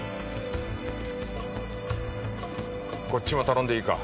こっちも頼んでいいか？